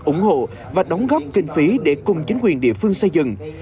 ủng hộ và đóng góp kinh phí để cùng chính quyền địa phương xây dựng